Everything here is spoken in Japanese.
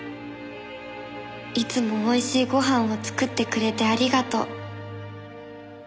「いつも美味しいご飯を作ってくれてありがとう」